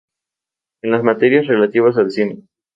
En las materias relativas al cine.